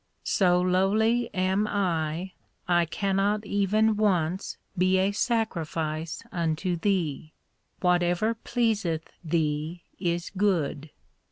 So powerless am 7, that I cannot even once be a sacrifice unto Thee. Whatever pleaseth Thee is good.